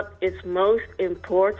dan sampai kapan